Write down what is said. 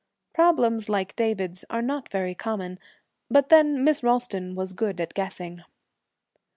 Problems like David's are not very common, but then Miss Ralston was good at guessing.